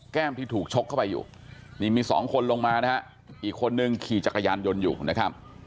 ที่ถูกชกเข้าไปอยู่นี่มีสองคนลงมานะฮะอีกคนนึงขี่จักรยานยนต์อยู่นะครับ